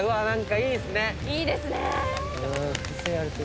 いいですね！